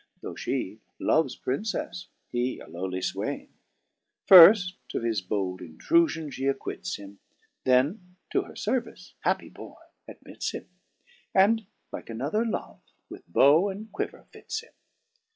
Though (he Loves princeffe, he a lowly iwaine. Firft of his bold intrufion fhe acquites him. Then to her fervice (happy Boy !) admits him. And, like another Love, with bow and quiver fits him.